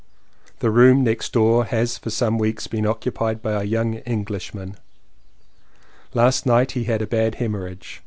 The room next door has for some weeks been occupied by a young EngHshman. Last night he had a bad hemorrhage.